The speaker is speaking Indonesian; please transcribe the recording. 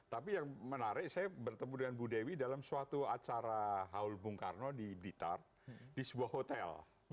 tapi yang menarik saya bertemu dengan bu dewi dalam suatu acara haul bung karno di blitar di sebuah hotel